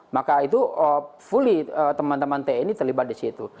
maka itu fully teman teman tni terlibat di situ